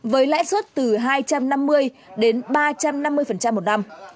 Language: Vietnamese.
với lãi suất từ hai trăm năm mươi đến ba trăm năm mươi một năm